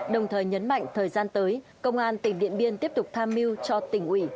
đồng thời nhấn mạnh thời gian tới công an tỉnh điện biên tiếp tục tham mưu cho tỉnh ủy